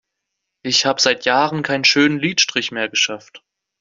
Ich hab seit Jahren keinen schönen Lidstrich mehr geschafft.